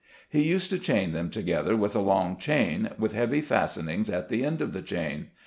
He used to chain them together with a long chain, with heavy fastenings at the end of the chain.